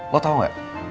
lo tau gak